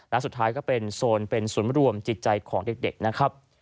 และสุดท้ายก็เป็นโซนเป็นศูนย์รวมจิตใจของเด็กนะครับ